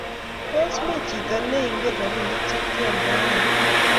tos mi chito ne ingen robinik che kioldoen?